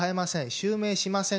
襲名しません